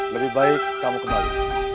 lebih baik kamu kembali